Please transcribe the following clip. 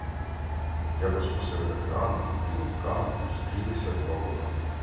Якось посеред океану над білим каменем зустрілися два ворони.